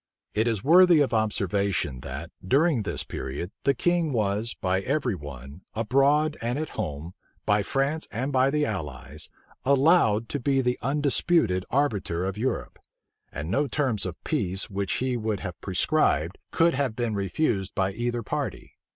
It is worthy of observation, that, during this period, the king was, by every one, abroad and at home, by France and by the allies, allowed to be the undisputed arbiter of Europe; and no terms of peace which he would have prescribed, could have been refused by either party.